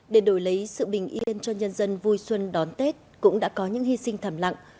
để đổi lấy sự bình yên cho nhân dân vui xuân đón tết cũng đã có những hy sinh thầm lặng